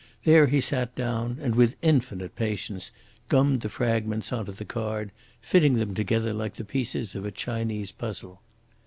There he sat down and, with infinite patience, gummed the fragments on to the card, fitting them together like the pieces of a Chinese puzzle.